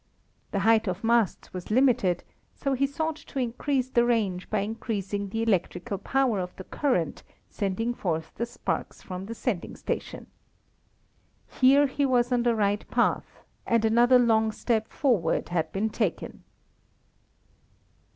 The height of masts was limited, so he sought to increase the range by increasing the electrical power of the current sending forth the sparks from the sending station. Here he was on the right path, and another long step forward had been taken.